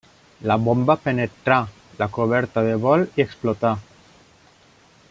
La bomba penetrà la coberta de vol i explotà.